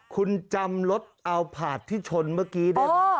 คุณจำรถเอาผาดที่ชนเมื่อกี้ได้ไหม